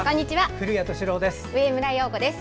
古谷敏郎です。